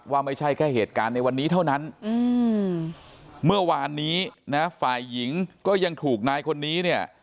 ว่าไม่ใช่แค่เหตุการณ์ในวันนี้เท่านั้นเมื่อวานนี้นะฝ่ายหญิงก็ยังถูกนายคนนี้เนี่ย